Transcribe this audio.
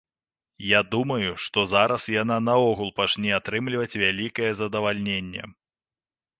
Я думаю, што зараз яна наогул пачне атрымліваць вялікае задавальненне.